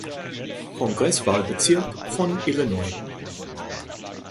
Kongresswahlbezirk von Illinois.